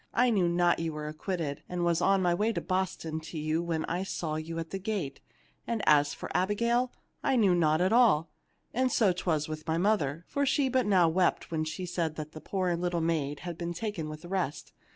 I knew not you were acquitted, and was on my way to Boston to you when I saw you at the gate. And as for Abigail, I knew naught at all ; and so 'twas with my mother, for she but now wept when she said the poor little maid had been taken with the rest.